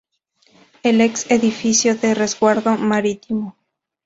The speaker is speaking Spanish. El ex edificio de Resguardo Marítimo.